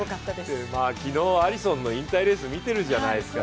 昨日、アリソンの引退レース見てるじゃないですか。